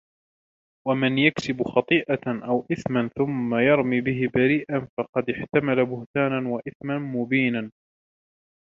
ومن يكسب خطيئة أو إثما ثم يرم به بريئا فقد احتمل بهتانا وإثما مبينا